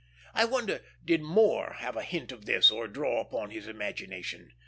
I wonder did Moore have a hint of this, or draw upon his imagination?